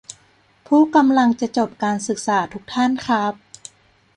"ผู้กำลังจะจบการศึกษาทุกท่านครับ "